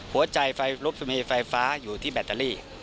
หัวใจรถไฟฟ้าอยู่ที่แบตเตอรี่